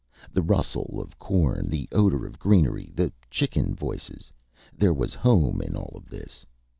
The rustle of corn, the odor of greenery, the chicken voices there was home in all of this.